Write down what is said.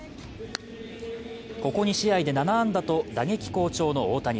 ここ２試合で７安打と打撃好調の大谷。